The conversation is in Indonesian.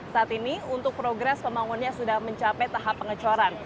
saat ini untuk progres pembangunannya sudah mencapai tahap pengecoran